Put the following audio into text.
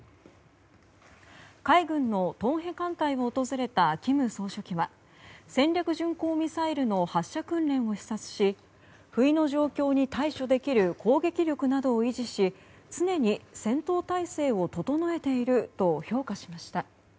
海軍のトンヘ艦隊を訪れた金総書記は戦略巡航ミサイルの発射訓練を視察し不意の状況に対処できる攻撃力などを維持し常に戦闘態勢を整えていると評価しました。